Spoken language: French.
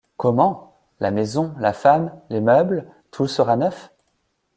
Comment ! la maison, la femme, les meubles, tout sera neuf ?